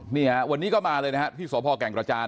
เมียวันนี้พี่สพแก่งกระจาน